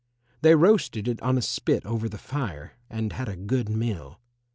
They roasted it on a spit over the fire and had a good meal.